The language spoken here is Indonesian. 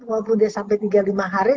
walaupun dia sampai tiga lima hari